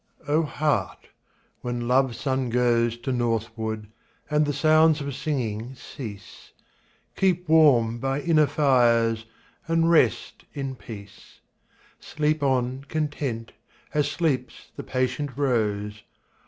O Heart, when Love's sun goes To northward, and the sounds of singing cease, Keep warm by inner fires, and rest in peace. Sleep on content, as sleeps the patient rose.